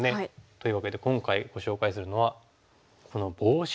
というわけで今回ご紹介するのはこのボウシという。